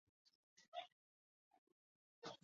短片被包含在本系列电影的蓝光影碟中。